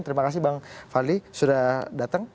terima kasih bang fadli sudah datang